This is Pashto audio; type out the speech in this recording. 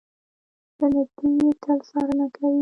له نږدې يې تل څارنه کوي.